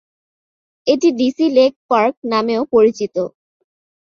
এটি DC lake park নামেও পরিচিত।